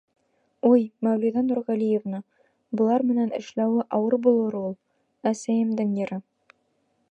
— Уй, Мәүлиҙә Нурғәлиевна, былар менән эшләүе ауыр булыр ул. Әсәйемдең йыры